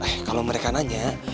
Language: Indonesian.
eh kalau mereka nanya